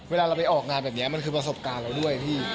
เวลาเราไปออกงานแบบนี้มันคือประสบการณ์เราด้วยพี่